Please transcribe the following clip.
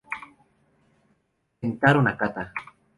Kentaro Nakata